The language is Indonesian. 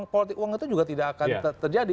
politik uang itu juga tidak akan terjadi